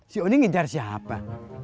si oni ngejar siapa